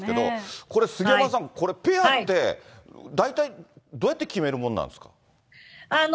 これ、杉山さん、これ、ペアって、大体どうやって決めるものなんですか。